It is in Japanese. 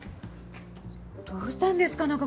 どうしたんですか？